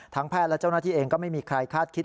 แพทย์และเจ้าหน้าที่เองก็ไม่มีใครคาดคิด